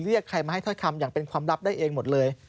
เรียกใครมาให้ถ้อยคำอย่างเป็นความลับได้เองหมดเลย